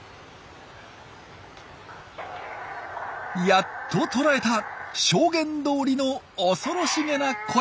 やっと捉えた証言どおりの恐ろしげな声。